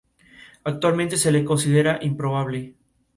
Actualmente se lo considera improbable.